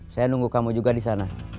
saya nunggu kamu juga disana